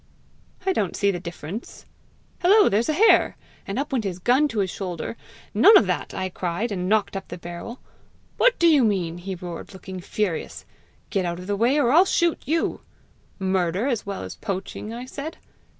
'I don't see the difference! Hillo, there's a hare!' And up went his gun to his shoulder. 'None of that!' I cried, and knocked up the barrel. 'What do you mean?' he roared, looking furious. 'Get out of the way, or I'll shoot you.' 'Murder as well as poaching!' I said.